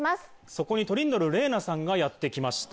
そこにトリンドル玲奈さんがやって来ました。